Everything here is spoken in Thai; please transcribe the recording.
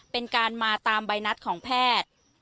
เป็นการมาตามใบนัดของแพทย์